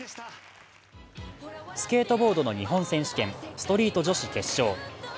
スケートボードの日本選手権ストリート女子決勝。